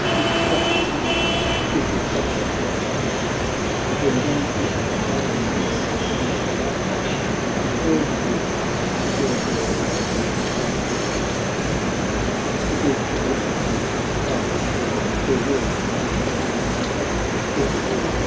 With happy omens to his vows replies ; Then when the uprising morn extends her light Prepare, ye Greeks, to dare his powers in fight.' BOOK III 23 He said — the Greeks for instant strife declare Their will, and arm impatient for the war.